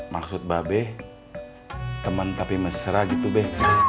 maksud mbak be temen tapi mesra gitu be